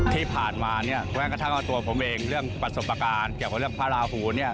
ที่ผ่านมาเนี่ยแม้กระทั่งว่าตัวผมเองเรื่องประสบการณ์เกี่ยวกับเรื่องพระราหูเนี่ย